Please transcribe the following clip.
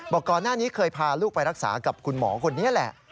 ก่อนหน้านี้เคยพาลูกไปรักษากับคุณหมอคนนี้แหละ